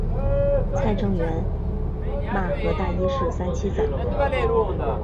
蔡正元骂何大一是三七仔。